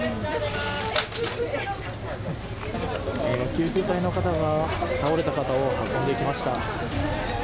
救急隊の方が倒れた方を運んでいきました。